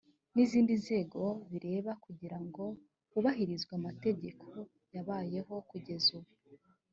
n izindi nzego bireba kugira ngo hubahirizwe amategeko yabayeho kugeza ubu